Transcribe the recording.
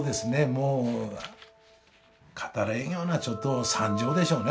もう語れんようなちょっと惨状でしょうね